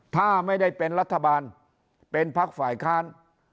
ถ้าไม่ได้เป็นรัฐบาลเป็นพักฝ่ายค้าน